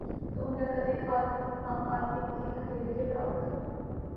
تو ان کا قد ایک عام دمی کی ہتھیلی کے برابر تھا